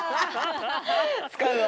使うわ。